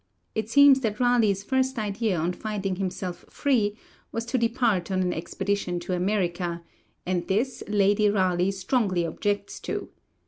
It seems that Raleigh's first idea on finding himself free was to depart on an expedition to America, and this Lady Raleigh strongly objects to.